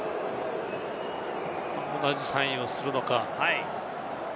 同じサインをするのか。